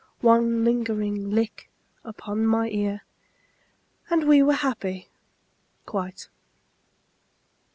One lingering lick upon my ear And we were happy quite.